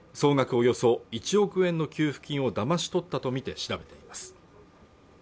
およそ１億円の給付金をだまし取ったと見て調べています